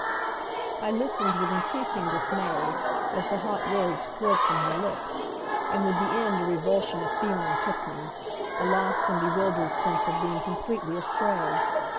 I listened with increasing dismay, as the hot words poured from her lips; and, with the end, a revulsion of feeling took me, a lost and bewildered sense of being completely astray.